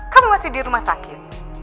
kami masih di rumah sakit